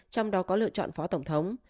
trong đó có lựa chọn phó tổng thống